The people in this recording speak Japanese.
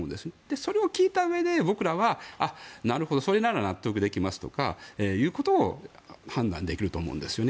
それを聞いたうえで僕らはなるほど、それなら納得できますということを判断できると思うんですよね。